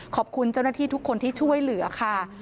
ขอบคุณเจ้าหน้าที่ทุกคนที่ช่วยเหลือค่ะ